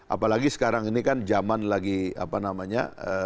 apalagi sekarang ini kan zaman lagi apa namanya